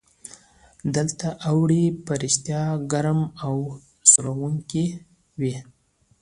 دلته اوړي په رښتیا ګرم او ځوروونکي وي.